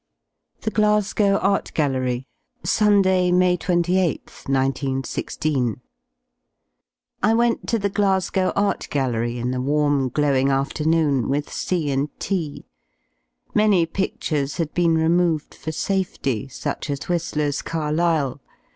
THE GLASGOW ART GALLERY Sunday, May 28th, 19 16. I went to the Glasgow Art Gallery in the warm glowing fternoon with C and T Many pidlures had been removed for safety, such as Whi^ler's "Carlyle."